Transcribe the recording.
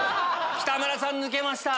北村さん抜けました！